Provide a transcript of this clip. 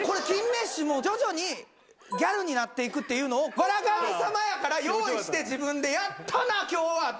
金メッシュも徐々にギャルになって行くっていうのを『笑神様』やから用意して自分でやったな今日は！